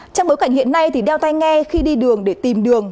trong bối cảnh hiện nay thì đeo tay nghe khi đi đường để tìm đường